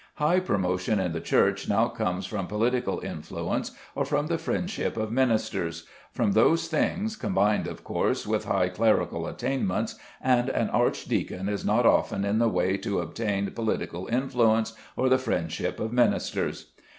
High promotion in the Church now comes from political influence or from the friendship of Ministers, from those things, combined of course with high clerical attainments and an archdeacon is not often in the way to obtain political influence or the friendship of Ministers.